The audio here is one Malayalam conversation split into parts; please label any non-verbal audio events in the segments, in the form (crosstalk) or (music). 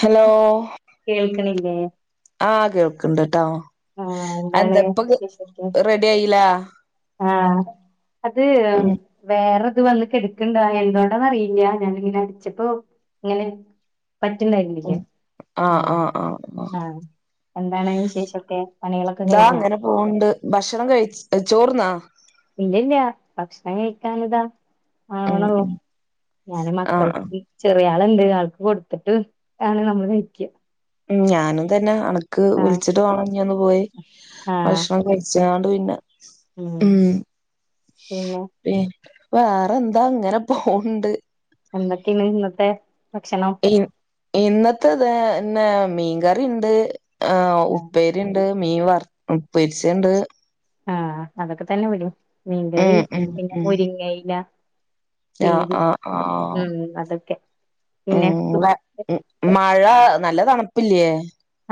ഹലോ കേൾക്കണില്ലേ ആഹ് കേൾക്കണ്ട് ട്ടോ ആഹ് എന്താണ് എന്താപ്പൊ വിശേഷൊക്കെ റെഡി ആയില്ല ആഹ് അത് ഉം വേറെത് വന്ന് കെട ക്ക്ണ്ടോ എന്തൊണ്ടാന്ന് അറിയില്ല ഞാനിങ്ങനെ അടിച്ചപ്പോ ഇങ്ങനെ പറ്റ്ണ്ടായിരുന്നില്ല ഉം ആഹ് ആഹ് എന്താണ് വിശേഷൊ ക്കെ പണികളൊക്കെ കഴിഞ്ഞോ? ഓഹ് ഉണ്ട് ഭക്ഷണം കഴിച്ച് ചോർന്നോ ഇല്ലല്ല ഭക്ഷണം കഴിക്കാൻ ഇതാ ആവണൊള്ളു ആഹ് ഞാന് ആഹ് മക്കൾക്ക് ചെറിയാൾ ഇണ്ട് ആൾക്ക് കൊടുത്തിട്ട് ആണ് നമ്മള് കഴ്ക്കാ ഉം ഞാനും തന്നെ അണക്ക് ആഹ് വിളിച്ചിട്ട് വാണം ഇനി ഒന്ന് പോയി ആഹ് ഭക്ഷണം കഴി ച്ചാണ്ട് പിന്നെ ഉം ഉം പിന്നെ പി വേറെന്താ ഇങ്ങനെ പോവ്ണ്ട് എന്തൊക്കെയാണ് ഇന്നത്തെ ഭക്ഷണം ഇൻ ഇന്നത്തെ അതെന്നെ മീൻകറിണ്ട് ആഹ് ഉപ്പേ രിണ്ട് മീൻ വർ പൊരിച്ചണ്ട് ആഹ് അതൊക്കെ തന്നെ ഇവടിം മീൻകറി ഉം ഉം പിന്നെ ഉം മുരിങ്ങയില ആഹ് പേര് ആഹ് ആഹ് ഉം അതൊക്കെ ഉം പിന്നെ വ ഉം മഴ നല്ല തണുപ്പില്ലേ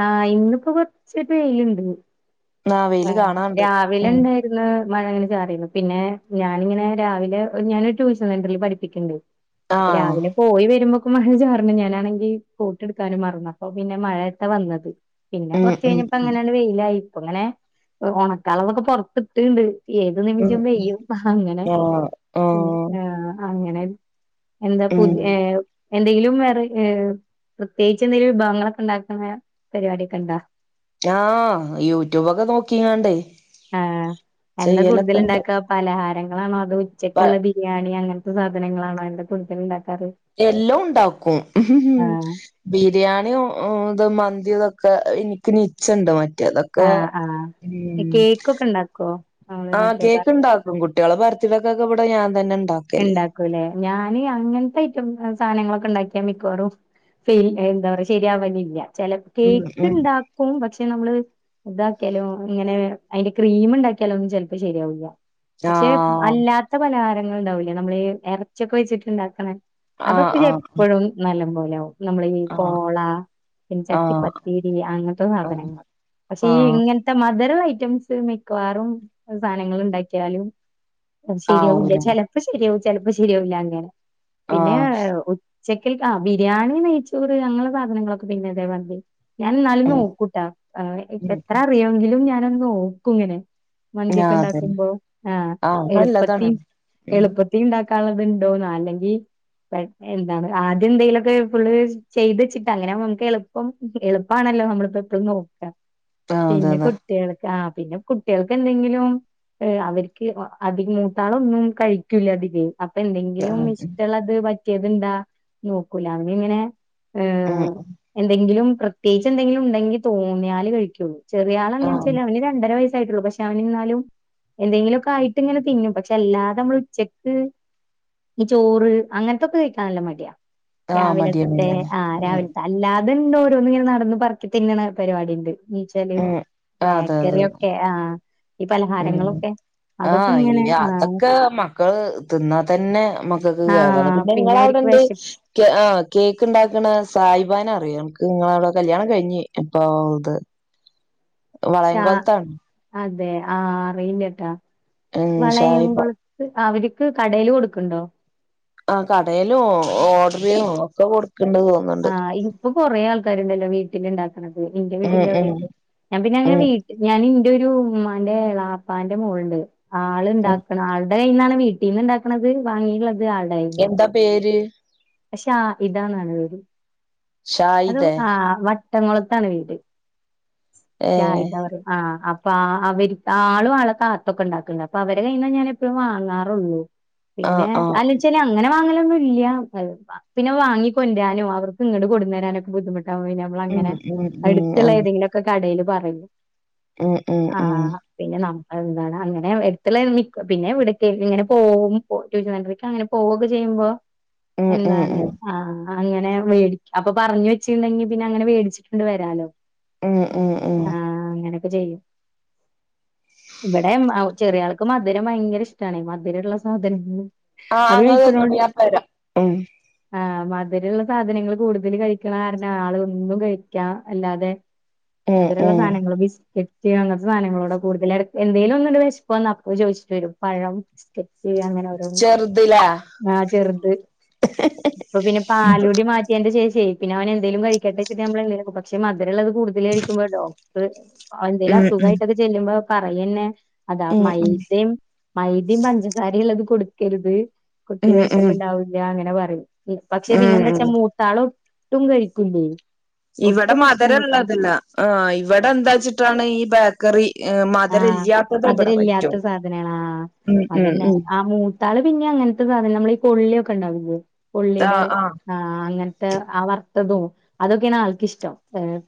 ആഹ് ഇന്നിപ്പോ കൊറച്ചൊരു വെയില്ണ്ട് ആ വെയില് ആഹ് കാണാണ്ട് ഉം രാവിലെണ്ട് ഇന്ന് മഴ ഇങ്ങനെ ചാറീരുന്നു പിന്നെ ഞാനിങ്ങനെ രാവിലെ ഞാനൊരു ട്യൂഷൻ സെന്ററിൽ പഠിപ്പിക്ക്ണ്ട് അപ്പൊ ആഹ് രാവിലെ പോയി വരുമ്പോക്കും മഴ ചാർണ് ഞാനാണെങ്കി കോട്ട് എടുക്കാനും മറന്ന് അപ്പൊ പിന്നെ മഴ വന്നത് പിന്നെ ഉം കൊറച്ച് ഉം കഴിഞ്ഞപ്പോ ഉം അങ്ങനണ് വെയിലായി ഇപ്പോ ഇങ്ങനെ ഒണക്കാളളതൊക്കെ പൊറത്തിട്ട്ണ്ട് ഏത് ഉം നിമിഷം പെയ്യും അങ്ങനെ ആഹ് ഉം ആഹ് ആഹ് അങ്ങനെ എന്താ ഉം പുതിയ ഏഹ് എന്തെങ്കിലും വേറെ ഏഹ് പ്രത്യേകിച്ച് എന്തെങ്കിലും വിഭവങ്ങളൊക്കെ ഉണ്ടാ ക്ക്‌ണെ പരിപാടൊക്കെ ഇണ്ടോ ആഹ് യൂട്യൂബൊക്കെ നോക്കിങ്ങാണ്ടേ ആഹ് എന്താ കൂടുതൽ ചെയ്യലൊക്കെണ്ട് ഇണ്ടാക്ക പലഹാരങ്ങളാണോ അതൊ പ ഉച്ചക്കുള്ള ബി രിയാണി അങ്ങനത്തെ സാധനങ്ങളാണോ എന്താ കൂടുതല് ഇണ്ടാക്കാറ് എല്ലോം ഇണ്ടാക്കും ആ ബിരിയാണിയും ഇത് മന്തി തൊക്കെ ഇനിക്ക് നിച്ചണ്ട് മറ്റേതൊക്കെ ആഹ് ആഹ് ഈ ഉം കേക്ക് ഒക്കെ ണ്ടാക്കോ ആഹ് കേക്ക്ണ്ടാക്കും കുട്ടികളെ ബർത്ത്ഡേക്കൊക്കെ ഇവിടെ ഞാൻ തന്നെ ഇണ്ടാക്ക ഇണ്ടാക്കൂല്ലേ ഞാന് അങ്ങനത്തെ ഐറ്റം സാധനങ്ങളൊക്കെ ഉണ്ടാക്കിയാ മിക്കുവാറും പിന് എന്താ പറ ശരിയാവലില്ല ചില ഉം കേക്ക് ഉം ഇണ്ടാക്കും പക്ഷെ നമ്മള് ഇതാക്കിയാലും ഇങ്ങനെ അയ്ന്റെ ക്രീമ് ഇണ്ടാക്കിയാലോന്നും ചെലപ്പോ ശരിയാവലില്ല പക്ഷെ ആഹ് അല്ലാത്ത പലഹാരങ്ങൾ ഇണ്ടാവൂലേ നമ്മള് ഈ ഇറച്യോക്കെ വെച്ചിട്ടുണ്ടാക്കണ ആഹ് അതൊക്കെ ഷെ ആഹ് എപ്പോഴും നല്ല പോലെ ആവും നമ്മളെ ഈ ആഹ് പോള പിന്നെ ആഹ് ചട്ടിപ്പത്തിരി അങ്ങനത്തെ സാധനങ്ങൾ പക്ഷെ ഈ ആഹ് ഇങ്ങൻത - മധുര ഐറ്റംസ് മിക്കവാറും സാധനങ്ങള് ഇണ്ടാക്കിയാലും അത് ശരിയാവില്ല ആവൂല ചെലപ്പോ ശെരിയാവും ചെലപ്പോ ശെരിയാവില്ല അങ്ങനെ പിന്നെ ആഹ് ഉചെക്കൽക്ക ബിരിയാണി നെയ്ചോറ് അങ്ങനെ സാധനങ്ങളൊക്കെ പിന്നെ ഇതേ മാതിരി ഞാൻ എന്നാലും ഉം നോക്കൂട്ടാ ഉം എത്ര അറിയുങ്കിലും ഞാനൊന്ന് നോക്കുംങ്ങനെ ഉം ആ മന്ത്യൊക്കെ അതന്നെ ഇണ്ടാക്കുമ്പോ ആഹ് എളുപ്പത്തി ഉം എളുപ്പത്തി ഇണ്ടാക്കാള്ളത്ണ്ടോന്ന അല്ലെങ്കി പെട്ട എന്താണ് ആദ്യം എന്തെങ്കിലൊക്കെ ഫുള്ള് ചെയ്ത് വെച്ചിട്ട് അങ്ങനെ നമ്മുക്ക് എളുപ് പ്പം എളുപ്പാണല്ലോ നമ്മളിപ്പോ എപ്പഴും നോക്കാ ആഹ് അതെ പിന്നെ അതെ കുട്ട് ട്ട്യോൾക്ക് ആഹ് പിന്നെ കുട്ട്യോൾക്ക് എന്തെങ്കിലും അവര്ക്ക് അതി അത് മൂത്താളൊന്ന് കഴിക്കൂല്ല അധികെ അപ്പൊ എന്തെങ്കിലും ആഹ് ഇഷ്ടള്ളത് പറ്റ് പറ്റ്യേത്ണ്ടാ നോക്കൂല അവനിങ്ങനെ ഉം ഏഹ് എന്തെങ്കിലും പ്രത്യേകിച്ച് എന്തെങ്കിലും ഉണ്ടെങ്കിൽ തോന്നിയാല് കഴിക്കുള്ളൂ ആഹ് ചെറിയാളെങ്ങനാചാല് അവന് രണ്ടര വയസായിട്ടുള്ളൂ പക്ഷെ അവന്ന്നാലും എന്തെങ്കിലൊക്കെ ആയിട്ട്ങ്ങനെ തിന്നും പക്ഷെ എല്ലാ നമ്മള് ഉച്ചക്ക് ഈ ചോറ് അങ്ങനത്തൊക്കെ കഴിക്കാൻ നല്ല മടിയാ ആഹ് രാവിലത്തെ മടിയാണ്ല്ലേ ആഹ് ഉം രാവിലത്തെ അല്ലാതന്നെ ഓരോന്നു ഇങ്ങനെ നടന്ന് പറക്കി തിന്നണ പരിപാടി ഇണ്ട് നീച്ചാല് ഉം അതെ അതെ ബേക്കറ്യോക്കെ ആഹ് ഈ ഉം പലഹാരങ്ങളൊക്കെ ആഹ് അതൊക്കെ ഇങ്ങനെ അയ്ന് ആഹ് അതൊക്കെ മക്കള് തിന്നാ തന്നെ മക് മക്കള്ക്ക് കേടാണ് ആഹ് പിന്നെ അവർക്ക് നിങ്ങളവിടെണ്ട് വിശ കേ ആഹ് കേക്ക് ഇണ്ടാക്കണ സായിബാനെ അറിയോ അന്ക്ക് ഇങ്ങളവടെ കല്യാണം കഴിഞ്ഞി ഇപ്പ ഇത് ശാ വളയംകൊലത്താണ് അതെ ആഹ് അറിയില്ലട്ടാ ഉം വളയം ഷായിബ കൊളത് അവര്ക്ക് കടയില് കൊടുക്ക്ണ്ടോ ആഹ് കടലോ ഓഡറിങ് ഒക്കെ കൊടുക്ക്ണ്ട് ന്നാ തോന്ന്ന്ന് ആഹ് ഇപ്പൊ കൊറേ ആൾക്കാര്ണ്ടല്ലോ വീട്ടില് ഇണ്ടാക്കണത് ഇന്റെ ഉം വീടിന്റെ ഉം അവിട്‌ണ്ട് ഞാൻ പിന്നെ അങ്ങനെ ഉം വീ ഞാൻ ഇന്റൊരു ഉമ്മാന്റെ എളാപ്പാന്റെ മോള്ണ്ട് ആള് ഉം ഇണ്ടാക്കണ ആൾ ൾടെ കയ്ന്നാണ് വീട്ടിന്ന് ഇണ്ടാക്കണത് വാങ്ങിള്ളത് ആൾടെ കയ്ന്ന എന്താ പേര് പക്ഷെ ഷാഹിതാ ന്നാ പേര് അതു ഷായിദേ ആഹ് വട്ടംകൊളത്താണ് വീട് ഏഹ് ഷാഹിദന്ന് പറയും ആഹ് അ പ്പാ അവര്ക്ക് ആളും ആൾടെ താത്തൊക്കെ ഇണ്ടാക്ണ്ട് അപ്പൊ അവരെ കയ്ന്നാ ഞാൻ എപ്പോഴും വാങ്ങാറുള്ളൂ പിന്നെ ആഹ് ആഹ് അല്ലേച്ചാല് അങ്ങനെ വാങ്ങലൊന്നും ഇല്ല പിന്നെ വാങ്ങിക്കൊണ്ടാരാനും അവ് ഓര്ക്ക് ഇങ്ങട് കൊടന്നാരാനൊക്കെ ബുദ്ധിമുട്ടാവുമ്പോ പിന്നെ നമ്മള് ഉം അങ്ങനെ ഉം ഉം അട്ത്ത്ള്ള ആഹ് ഏതെലൊക്കെ കടെല് പറയും ഉം ഉം ആ ഉം പിന്നെ നമ്മള എന്താണാ അങ്ങനെ എടത്ത്ള്ളെന് മിക്ക, പിന്നെ എവ്ട്ക്കേലും ഇങ്ങനെ പോവും, പോയിട്ട്റിവാൻഡ്രേക്കങ്ങനെ പോവൊക്കെ ചെയ്യുമ്പോ ഉം ഉം എന്താണ് ആഹ് അങ്ങനെ വേടിക്കും അപ്പൊ പറഞ്ഞ് വെച്ചിട്ടണ്ടെങ്കി പിന്നെ അങ്ങനെ വേടിച്ചിട്ട്ങ്ക്ട്‌ വരാല്ലോ ഉം ഉം ഉം ഉം ആഹ് അങ്ങനൊക്കെ ചെയ്യും ഇവിടെം അവ് ചെറിയാള്ക്ക് മധുരം ഭയങ്കര ഇഷ്ടമാണ് മധുരള്ള സാധനങ്ങള് ആഹ് അത് ങ്ങൾ കഴിക്കണോണ്ട് തിന്നോളി ഞാൻ പ്പോ വര ഉം ആഹ് മധുരള്ള സാധനങ്ങള് കൂടുതല് കഴിക്കണ കാരണം ആള് ഒന്നും കഴിക്ക അല്ലാതെ ഉം മധുരള്ള ഉം സാനങ്ങള് ബിസ്ക്കറ്റ് റ്റ് അങ്ങനത്തെ സാധങ്ങളോട കൂടുതല് എടക്ക് എന്തേലും ഒന്നങ്ങട്ട് വെശപ്പ് വന്ന അപ്പോ ചോദിച്ചിട്ട് വരും പഴം സ്ക്കറ്റ് (unintelligible) അങ്ങനെ ഓരോന്ന് ചെറുതിലേ ആഹ് ചെറുത് ഇപ്പൊ പിന്നെ പാലുടി മാറ്റിയെന്റെ ചേച്ചിയെ പിന്നെയവനെന്തെലും കഴിക്കട്ടെച്ചിട്ടമ്മളു പക്ഷെ മധുരള്ളതു കൂടുതല് കഴിക്കുമ്പോ ഡോ (unintelligible) എന്തേലും ഉം ഉം അസുഖയിട്ടൊക്കെ ചെല്ലുമ്പോ പറയന്നെ ഉം ഉം മൈദേം മൈദേം പഞ്ചസാരയും ഇള്ളതു കൊടുക്കരുത് കുട്ടി ഉം ഉം വിശപ്പുണ്ടാവൂലാങ്ങനെ പറയും ഉം ഉം പക്ഷേപിന്നെന്താച്ചാ മൂത്താളു ഒട്ടും കഴിക്കൂ ലേ ഇവിടെ മധുരൊള്ളതല്ല ആഹ് ഇവിടെ എന്താച്ചിട്ടാണീ വാ കറി ആഹ് മധുരഇല്ല്യത്തതേ വിടെ പറ്റു മധുരല്ലാത്ത സാധനാണ് ഉം ഉം മൂത്താളുപിന്നെ അങ്ങനത്തെ സാധനം നമ്മളീ കൊള്ളിയൊക്കെയുണ്ടാവില്ലേ കൊള്ളിടെ ആഹ് അങ്ങനത്തെ ആ വറത്തതും അതൊക്കെയാണാൾക്കിഷ്ടം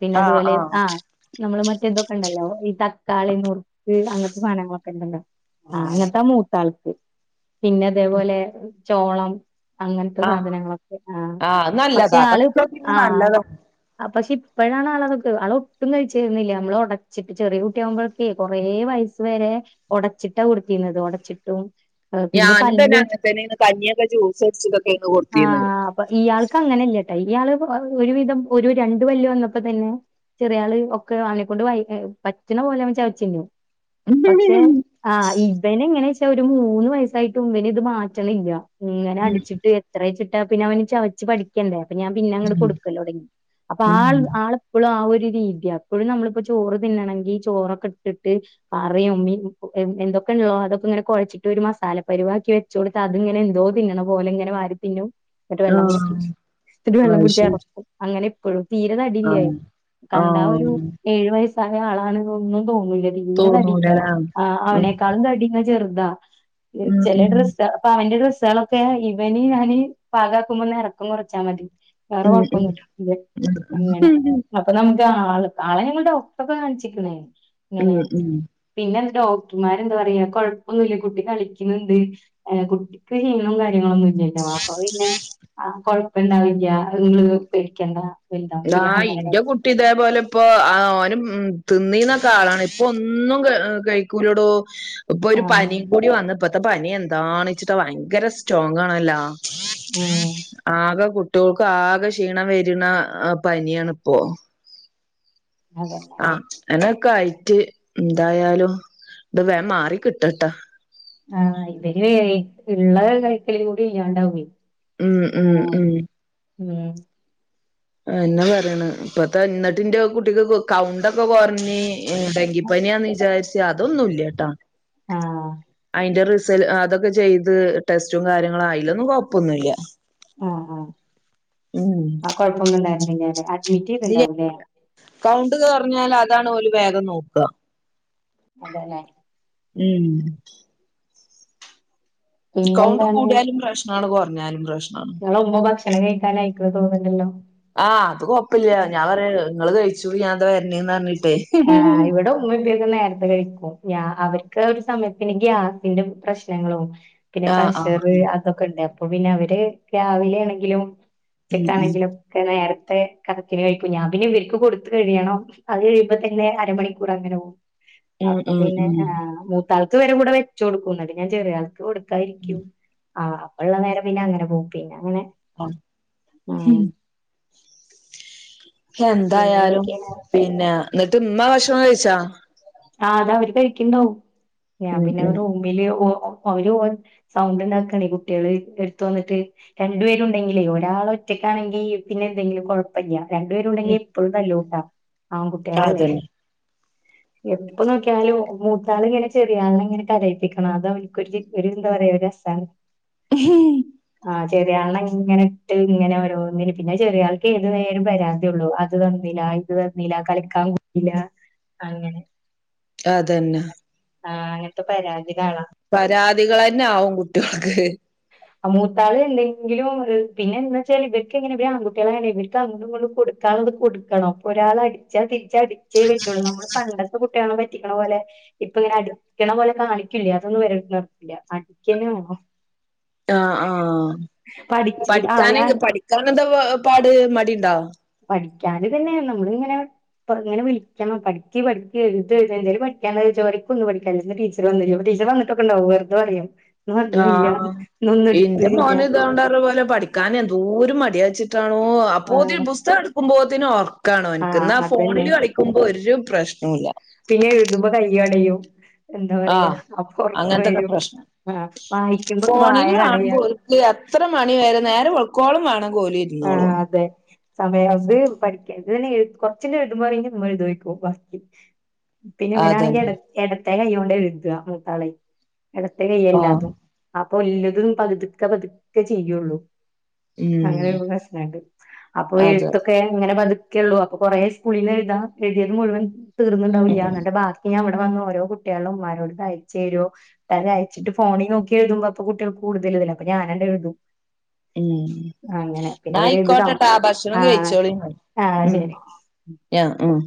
പിന്നെയതുപോലെ ആഹ് നമ്മളുമറ്റേതൊക്കെ ഇണ്ടല്ലോ ഈ ത തക്കാളി നുറുക്ക് അങ്ങത്തെ സാനങ്ങളൊക്കെ ഉണ്ടല്ലോ ആഹ് അങ്ങനത്ത യാ മൂത്താള് പിന്നതേപോലെ ചോളം അങ്ങൻത്തെ ആഹ് സാധനങ്ങളൊക്കെ ആഹ് നല്ലതാ പക്ഷെയാള് അതൊക്കെ പിന്നെ ആഹ് നല്ലതാ ആഹ് പക്ഷെ ഇപ്പോഴാണ് ആള തൊക്കെ ആള്ഒട്ടും കഴിച്ചിരുന്നില്ല മ്മള് ഒടച്ചിട്ടുചെറിയ കു കുട്ടിയാകുമ്പോളൊക്കേ കൊറേ വയസുവരെ ഒടച്ചിട്ടാ കൊടുത്തിരുന്നത് ഒടച്ചിട്ടും പിന്നെ ഞാനും തന്നെ പല്ല് അങ്ങതന്നെയാണ് കഞ്ഞിയൊക്കെ ജ്യൂസ ടിചിച്ചിട്ടൊക്കെ ക്കെയെന്ന് കൊടുത്തീന്ന് അപ്പംഇയാൾക്കു അങ്ങനെയില്ലട്ട ഇയാള് ഒരുവിധം ഒരു രണ്ടുപല്ലുവന്നപ്പോ തന്നെ ചെറിയയാള് ഒക്കെ അവനെക്കൊണ്ടു വായ് പറ്റണ പോലെയവൻ ചവച്ചിന്നും പക്ഷേ ഉം ആഹ്.. ഇവനിങ്ങനെച്ചാ ഒരു മൂന്നു വയസായിട്ടുമിവന് ഇത് മാറ്റണില്ല യിങ്ങനെ അടിച്ചിട്ട് എത്രെച്ചിട്ടാപ്പിന്നെ അവന് ചവച്ചുപഠിക്കണ്ടേ പ്പോ ഞാൻപിന്നങ്ങട് കൊടുക്കലുടങ്ങി അപ്പൊ ഉം ആൾ ഉം ആള് ഇപ്പളും ആ ഒരുരീതിയാ ഇപ്പഴും നമ്മളിപ്പോചോറു തിന്നണങ്കി ചോറൊക്കട്ടിട്ട് പറയുമ്മി എന്ത് എന്തൊക്കെയുള്ളോ അതൊക്കെയിങ്ങനെ കൊഴച്ചിട്ടൊരു മസാല പരിവാക്കി വച്ചു വച്ചുകൊടുത്ത അതിങ്ങനെയെന്തോ തിന്നണപോലെയിങ്ങനെ വാരി തിന്നും എന്നിട്ടു വെള്ളം ആഹ് കുടിക്കും ചെയ്യും ന്നിട്ടു അത് ശരി വെള്ളംകുടിച്ചെറക്കും അങ്ങനെയിപ്പഴും തീരെ തടിയില്ലായി ആഹ് കണ്ടാ ഒരു ആഹ് ഏഴു വയസ്സായ ആളാണ് ഒന്നും തോന്നൂല്ലതീരെ തോന്നൂലല്ലേ തടിയില്ലാന്ന് ഉം അവനേക്കാളും (unintelligible) ചെറുതാ ഉം ചെലഡ്രസ്സിട്ടാ പ്പൊവന്റെ ഡ്രസ്സുകളൊക്കെ ഇവന്ഞാന് പാകാക്കുമ്പോന്ന് ഇറക്കം കൊറച്ചാമതി വേറെ ഉം ഉം കൊഴപ്പൊന്നുല്ല ഇല്ലേ ഉം അങ്ങനെ ഉം ആഹ് അപ്പൊ നമുക്ക്ആള് ആളെ ഞങ്ങളു ഡോക്ടറൊക്കെ കാണിച്ചിക്കണ് ഇങ്ങനെ ഉം ഉം പിന്നെ ഡോക്ടർമാരെന്താ പറയാ കൊഴപ്പൊന്നുല്ല കുട്ടി കളിക്കുന്ന്ണ്ട് (inaudible) (unintelligible) വാപ്പ പിന്നെ ആഹ് കൊഴപ്പൊണ്ടാവില്ല ഇങ്ങള് പേടിക്കണ്ട വലുതാവും ശരിയാവും ആഹ് അങ്ങനെ ന്റെകുട്ടി ഇപ്പൊ ഇതേപോലെയിപ്പോ ഓനും തിന്നീരുന്നൊക്കാളാണ് ഇപ്പൊ ഒന്നും ക കഴിക്കൂലടോ ഇപ്പൊരു ആ പനിംകൂടി വന്നു ഇപ്പത്തെ പനിയെന്താന്ന്ച്ചിട്ടാ ഭയങ്കര സ്റ്റോങ്ങാണല്ലോ ഉം ആകെ കുട്ടിയോൾക്കാകെ ക്ഷീണംവരുന്ന പനിയാണിപ്പോ അതന്നെ ആഹ് എന്നാ (unintelligible) ന്തായാലും ഇത് വേഗം മാറികിട്ടട്ടാ ആഹ് ഇവര് ഇള്ള കയ്ക്കലൂടി ഇല്ലാണ്ടാവേ ഉം ഉം ഉം അങ്ങനാവുംമ്പോ ഉം എന്നാ പറയണ് ഇപ്പത്തെ ഇന്നട്ടിൻ്റെ കുട്ടിക്കു കൗണ്ടൊക്കെ കുറഞ്ഞീ എട ഡെങ്കിപ്പനിയാന്നുവിചാരിച്ച് അതൊന്നുമില്ലാട്ട ആഹ് അയിന്റെ റിസൽ അതൊക്കെ ചെയ്ത് ടെസ്റ്റും കാര്യങ്ങളും അയിലൊന്നും കൊഴപ്പൊന്നുല്ല ആഹ് ഉം ആഹ് കൊഴപ്പൊന്നുണ്ടായിരുന്നില്ല്യാല്ലേ അഡ്മിറ്റുചെയ്തുണ്ടാവൂലേ കൗണ്ടു കൊറഞ്ഞാലതാണു ഓലു വേഗംനോക്ക അതേലെ ഉം. കൗണ്ട് പിന്നെന്താണ് കൂടിയാലും പ്രശ്നാണ്. കൊറ്ഞ്ഞാലും പ്രശ്നാണ്. ഇങ്ങളെ ഉമ്മ ഭക്ഷണം കഴിക്കാനാ യിക്ക്ണ് തോന്ന്ണ്ടല്ലോ? ആഹ് അത് കൊഴപ്പില്ല ഞാൻ പറയാ ഇങ്ങള് കഴിച്ചുടി ഞാൻ ഇതാ വര്ണേന്ന് പറഞ്ഞിട്ടേ ഏഹ് ഇവിടെ ഉ ക്കെ നേര്ത്തെ കഴിക്കും. ഞ്യ അവർക്ക് ഒരു സമയത്തിന് ഗ്യാസിന്റെ പ്രശ്നങ്ങളും ആഹ് ആഹ് പിന്നെപ്രഷർ ആഹ് അതൊക്കെ ഇണ്ട്. അപ്പൊ പിന്നെ അവര് രാവിലെ ആണെങ്കിലും ഉം ഉം ഉച്ചക്കാണെങ്കിലും ക്കെ നേരത്തെ കടത്തിന് കഴിക്കും ഞാൻ പിന്നെ ഇവർക്ക് കൊടുത്ത് കഴിയണം. അത് കഴിയുമ്പ പിന്നെ അരമണിക്കൂറങ്ങനെപോവും. ഉം അപ്പൊ ഉം പിന്നെ ഉം ആഹ്. മൂ തണുത്തുവരെകൂടെവെ ച്ചുകൊടുക്കും. ഇന്നട്ട് ഞാൻ ചെറ്യേ ആൾക്ക് കൊടുക്കാ ഉം ഇരിക്കും. ആഹ് അപ്പ ഇള്ള നേരം. പിന്നെ അങ്ങനെ പോകും. പിന്നെ അങ്ങനെ ഓ ഉം എന്തായാലും പിന്നെന്തൊക്കെയാണ് പിന്നെ ഇന്നട്ട് ഇമ്മ ഭഷണം കഴിച്ചാ? ആ അത് അവര് കഴിക്ക്ണ്ടാവും ഞാൻ ഉം പിന്നെ ഉം റൂമില് അവര് പോൻ സൗണ്ട് ഇണ്ടാക്കാണേ കുട്ട്യേള് എടുത്തു വന്നിട്ട് രണ്ടു പേരുണ്ടെങ്കിലേ ഒരാൾ ഒറ്റക്കാണെങ്കിൽ പിന്നെ എന്തെങ്കിലും കൊ പ്യല്ല രണ്ടു പേരു ഉണ്ടെങ്കി ഉം എപ്പളും തല്ലൂട്ടാ ആൺകുട്ട്യേളെല്ലെ? അതന്നെ എപ്പൊ നോക്കിയാലും മൂത്താള് ഇങ്ങനെ ചെറിയാളെ ഇങ്ങനെ കരയിപ്പിക്കണം. അതോ അവനിക്കൊരു ഒരു എന്താ പറയാ ഒരു രസാണ്. ഹ്‌ഹി ആ ചെറിയളെ ഇങ്ങനെ ഇട്ട് ഇങ്ങനെ ഓരോന്നിനും പിന്നെ ചെറിയ ആൾക്ക് ഏതു നേരം പരാത്യ ഒള്ളു. അത് തന്നില്ല ഇത് തന്നില്ല കളിക്കാൻ കൂട്ടില. അങ്ങനെ അതന്നെ ആഹ് അങ്ങൻത്തെ പരാതിത്ത ഇള്ള ആളാ പരാതികളെന്നെ ആകും കുട്ട്യേൾക്ക്. ആ മൂത്താള് എന്തെങ്കിലും ഒരു പിന്നെന്താച്ചാൽ ഇവർക്ക് എങ്ങനെ ഇവര് ആൺുട്ട്യേളാണേ ഇവർക്ക് അങ്ങോട്ടു ഇങ്ങട്ടു കൊ ക്കാത് ഇത് കൊടുക്കണം. ഒരാൾ അടിച്ചാ തിരിച്ച് അടിച്ചേ പറ്റൊള്ളൂ നമ്മള് പണ്ട കുട്ട്യെളേ പറ്റിക്ക്ണ പോലെ ഇപ്പ ഇങ്ങനെ അടിക്ക്ണ പോലെ കാണിക്കില്ല അതൊന്നും വരില്ല അടിക്കെന്നെ വേണം. ആ ആഹ് അപ്പൊ അടിച്ച് ആഹ് പഠിക്കാന ഞാൻ പഠിക്കാൻ എന്താ പാട് മടി ഇണ്ടോ? പഠിക്കാണ് പിന്നെ നമ്മള് ഇങ്ങനെ അപ്പൊ ഇങ്ങനെ വിളിക്കണം പഠിക്ക് പഠിക്ക്എഴുത് എഴു എന്തങ്കിലും പഠിക്കാനില്ല. ടീച്ച വന്നില്ല. ടിച്ചർ വന്നിട്ടൊക്കെ ഉണ്ടാവും. വെറുതെ പറയും ഇന്ന് വന്നില്ല ആഹ് ഇന്നൊന്നും ഇന്റെ എടുത്തീല്ല മോൻ ഇതോണ്ടരു പോലെ പഠിക്ക കാന് എന്തോര് മട്യാച്ചിട്ടാണോ അപ്പോ ത്തിനു ആഹ് പുസ്തകം ഇടുക്കുമ്പോത്തന് ഒറ് കാണോ എൻക്ക് ആഹ് ഇന്നാ അതന്നെ ഫോണില് കളിക്കുമ്പോ ഒരു പ്രശ്ണൂല്ല. പിന്നെ എഴുതുമ്പോ കയ്യ് കടയും. എന്താ പറയാ ആഹ് അപ്പം ഒറക്ക അങ്ങനത്തൊക്കെ വരും പ്രശ്നം അഹ്. വായിക്കുമ്പോക്കെ വായ കടയാ. അത്ര മണി വരെ നേരം വെളുക്കോളം മാണംകോലി ആഹ് അതെ. സമയം അത് പഠിക്ക ഇത് തന്നെ എ കൊറച്ച് എഴുതുമ്പോ പറയും ഉമ്മ എഴു തോഴ്ക്കും വക്കി പിന്നെ ഇവനാണെങ്കി അതന്നെ എടത്തെ കൈ യോണ്ട എഴുത. മൂത്താളെ. എടത്തെ കൈ ആഹ് എല്ലാതും അപ്പൊ എല്ലതും പതുക്കെ പതുക്കെ ചെയ്യൊള്ളൂ. ഉം അങ്ങനെ ഒര് പ്രശ്നണ്ട്. അപ്പൊ അതെ എഴുത്തൊക്കെ ഇങ്ങനെ പതു ക്ക്യെള്ളു അപ്പൊ കൊറേ സ്കൂളീന്ന് എഴുതാ എഴുതിയത് മുഴുവൻ തീർന്ന്ണ്ടാവില്ല. ഉം അതിന്റെ ബാക്ക ഇനി അവിടെ വന്ന് ഓരോ കുട്ട്യേളും ഇന്മാരോട് ഇത് അയച്ചേരോ (unintelligible) അയച്ചിട്ട് ഫോണി നോക്കി എഴുതുമ്പോ അപ്പ കുട്ട്യൾക്ക് കടുതൽ ഇതല്ല അപ്പ ഞാനാ ണ്ട്എഴുതും. ഉം പിന്നെ ഇന്നാ ഇവര് ആയിക്കോട്ടെ എഴുതും ആ ഭക്ഷണം ആഹ് കഴിച്ചോളിഞ് ആഹ് ഉം ശരി യാ ഉം.